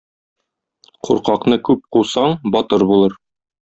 Куркакны күп кусаң, батыр булыр.